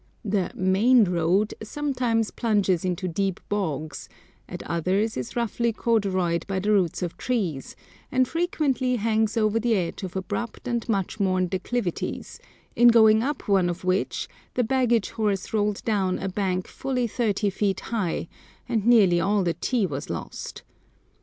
The "main road" sometimes plunges into deep bogs, at others is roughly corduroyed by the roots of trees, and frequently hangs over the edge of abrupt and much worn declivities, in going up one of which the baggage horse rolled down a bank fully thirty feet high, and nearly all the tea was lost.